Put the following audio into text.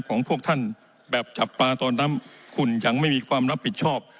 ของพวกท่านแบบจับปลาตอนนั้นคุณยังไม่มีความรับผิดชอบ